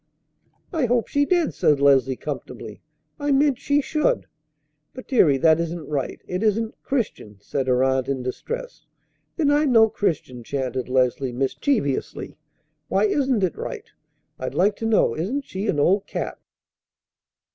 "I hope she did," said Leslie comfortably. "I meant she should." "But, deary, that isn't right! It isn't Christian!" said her aunt in distress. "Then I'm no Christian," chanted Leslie mischievously. "Why isn't it right, I'd like to know? Isn't she an old cat?"